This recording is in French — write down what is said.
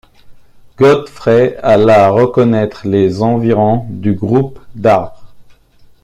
Godfrey alla reconnaître les environs du groupe d’arbres.